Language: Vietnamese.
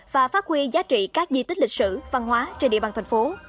và phát huy giá trị các di tích lịch sử văn hóa trên địa bàn thành phố